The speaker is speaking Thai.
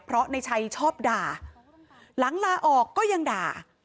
เพราะในชัยชอบด่าหลังลาออกก็ยังด่า